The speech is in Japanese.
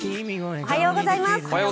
おはようございます！